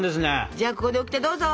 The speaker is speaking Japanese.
じゃあここでオキテどうぞ。